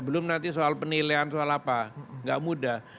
belum nanti soal penilaian soal apa nggak mudah